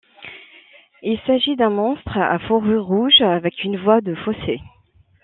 Il s'agit d'un monstre à fourrure rouge avec une voix de fausset.